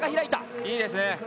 いいですね。